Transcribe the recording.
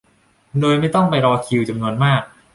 โดยไม่ต้องไปรอคิวจำนวนมาก